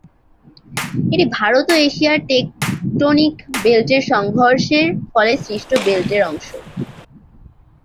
এটি ভারত ও এশিয়ার টেকটোনিক বেল্টের সংঘর্ষের ফলে সৃষ্ট বেল্টের অংশ।